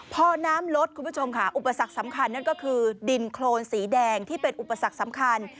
พอน้ำลดคุณผู้ชมค่ะอุปสรรคสำคัญนั่นก็คือดินโครนสีแดงที่เป็นอุปสรรคสำคัญ